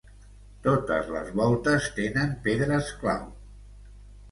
Totes les voltes tenen pedres clau.